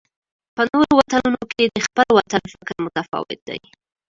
په نورو وطنونو کې د خپل وطن فکر متفاوت دی.